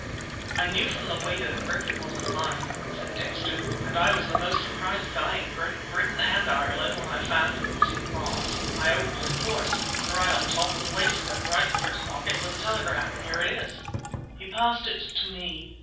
"I knew from the weight of the grip it wasn't mine," said Dexter, "and I was the most surprised guy in Great Britain and Ireland when I found whose it was! I opened it, of course! And right on top was a waistcoat and right in the first pocket was a telegram. Here it is!" He passed it to me.